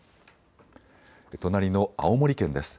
隣の青森県です。